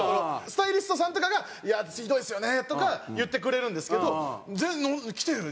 スタイリストさんとかが「いやあひどいですよね」とか言ってくれるんですけどきてよ